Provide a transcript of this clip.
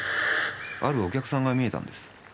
あるお客さんが見えたんです・